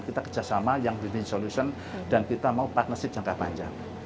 kita kerjasama yang win win solution dan kita mau partnership jangka panjang